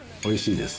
おいしい！